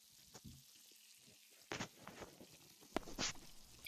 南丰胡同内过去有许多名人旧居。